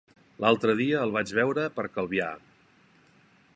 L'altre dia el vaig veure per Calvià.